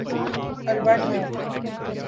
Albania